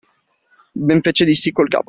Ben fece di sì col capo.